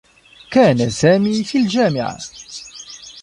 كان سامي في الجامعة.